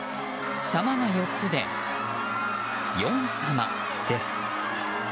様が４つで「様様様様」です。